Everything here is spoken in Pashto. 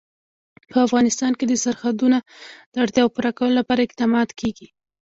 په افغانستان کې د سرحدونه د اړتیاوو پوره کولو لپاره اقدامات کېږي.